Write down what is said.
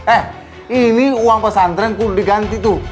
eh ini uang pesantren ku udah diganti tuh